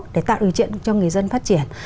để tạo ưu triện cho người dân phát triển